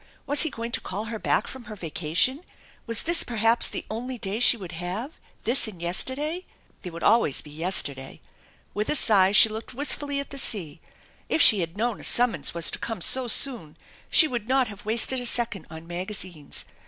Was he going to call her back from her vacation ? Was this per haps the only day she would have, this and yesterday ? There would always be yesterday! With a sigh she looked wist fully at the sea. If she had only known a summons was to come so soon she would not have wasted a second on maga zines.